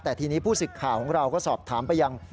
แต่ทีนี้ผู้สิทธิ์ข่าวของเราก็สอบถามไปยัง